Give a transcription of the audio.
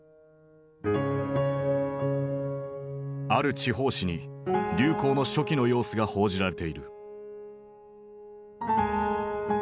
ある地方紙に流行の初期の様子が報じられている。